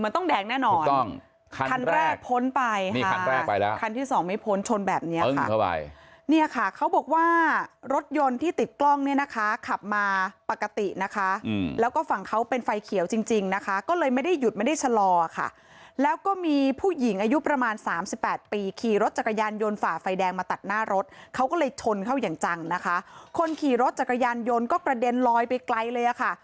ถ้ารถยนต์ที่ติดกล้องเนี่ยนะคะขับมาปกตินะคะแล้วก็ฝั่งเขาเป็นไฟเขียวจริงนะคะก็เลยไม่ได้หยุดไม่ได้ชะลอค่ะแล้วก็มีผู้หญิงอายุประมาณ๓๘ปีขี่รถจักรยานยนต์ฝ่าไฟแดงมาตัดหน้ารถเขาก็เลยชนเขาอย่างจังนะคะคนขี่รถจักรยานยนต์ก็กระเด็นลอยไปไกลเลยอ่ะค่ะ